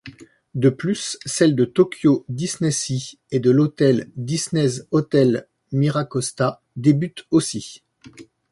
De plus celles de Tokyo DisneySea et de l'hôtel Disney's Hotel Miracosta débutent aussi.